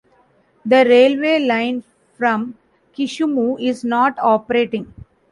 The railway line from Kisumu is not operating.